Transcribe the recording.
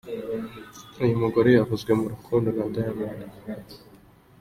Uyu mugore yavuzwe mu rukundo na Diamond .